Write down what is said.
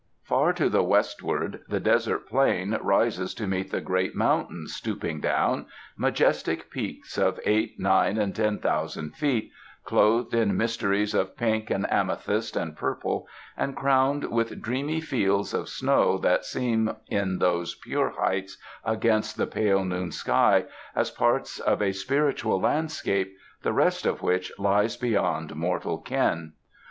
Far to the westward the desert plain rises to meet the great mountains stooping down — ma jestic peaks of eight, nine and ten thousand feet, clothed in mysteries of pink and amethyst and pur ple, and crowned with dreamy fields of snow that seem in those pure heights against the pale noon sky, as parts of a spiritual landscape, the rest of which lies beyond mortal ken.